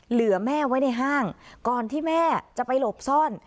เหลือแม่ไว้ในห้างก่อนที่แม่จะไปหลบซ่อน